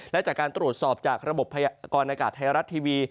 และจากการตรวจสอบจากระบบพยากรณากาศไทยรัฐทีวี